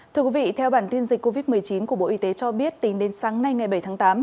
thưa quý vị theo bản tin dịch covid một mươi chín của bộ y tế cho biết tính đến sáng nay ngày bảy tháng tám